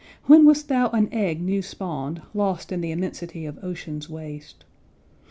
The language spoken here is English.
When wast thou an egg new spawn'd, Lost in the immensity of ocean's waste?